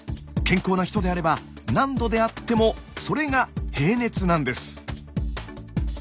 健康な人であれば何度であってもそれが「平熱」なんです。